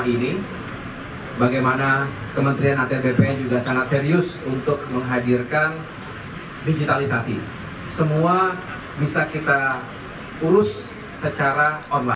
ini sebuah aplikasi yang mudah mudahan bisa dilakukan